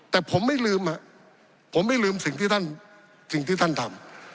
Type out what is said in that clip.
แต่ผมไม่ลืมผมไม่ลืมสิ่งที่ท่านทำ